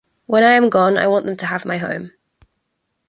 When I am gone, I want them to have my home.